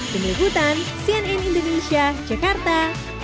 penyebutan cnn indonesia jakarta